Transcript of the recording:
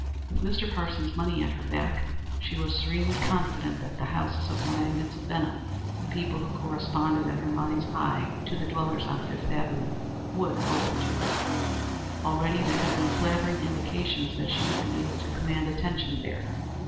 With Mr. Parsons's money at her back, she was serenely confident that the houses of the magnates of Benham the people who corresponded in her mind's eye to the dwellers on Fifth Avenue would open to her. Already there had been flattering indications that she would be able to command attention there.